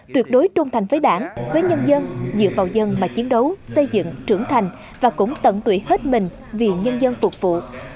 tuyệt đối trung thành với đảng với nhân dân dựa vào dân mà chiến đấu xây dựng trưởng thành và cũng tận tụy hết mình vì nhân dân phục vụ